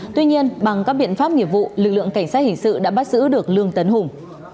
tuy nhiên bằng các biện pháp nghiệp vụ lực lượng cảnh sát hình sự đã bắt giữ được lương tấn hùng